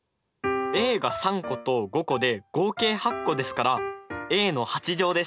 ａが３個と５個で合計８個ですからａです。